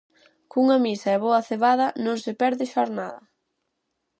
Cunha misa e boa cebada, non se perde xornada